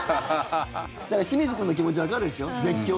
だから清水君の気持ちわかるでしょ？